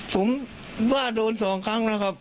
ผมบ้าโดนสองครั้งนะครับ